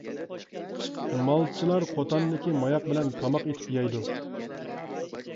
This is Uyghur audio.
مالچىلار قوتاندىكى ماياق بىلەن تاماق ئېتىپ يەيدۇ.